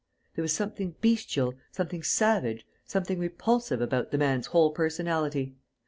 There was something bestial, something savage, something repulsive about the man's whole personality.